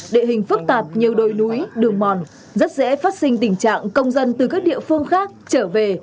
địa hình phức tạp nhiều đồi núi đường mòn rất dễ phát sinh tình trạng công dân từ các địa phương khác trở về